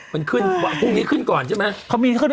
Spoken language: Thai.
มันขึ้นพรุ่งนี้ขึ้นก่อนใช่ไหม